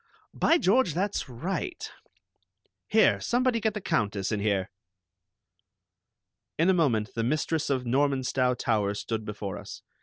"By George, that's right! Here, somebody, get the Countess in here." In a moment the mistress of Normanstow Towers stood before us.